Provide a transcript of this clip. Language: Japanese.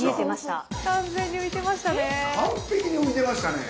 完全に浮いてましたね。